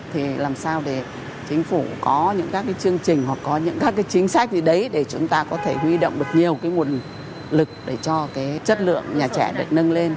thì làm sao để chính phủ có những các cái chương trình hoặc có những các cái chính sách gì đấy để chúng ta có thể huy động được nhiều cái nguồn lực để cho cái chất lượng nhà trẻ được nâng lên